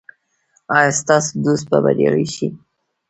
ایا ستاسو دوست به بریالی شي؟